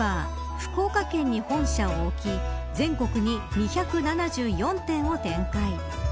福岡県に本社を置き全国に２７４店を展開。